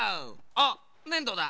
あっねんどだ！